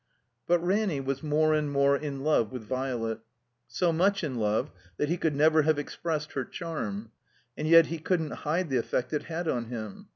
But Ranny was more and more in love with Violet; so much in love that he could never have expressed her charm. And yet he couldn't hide the effect it had on him.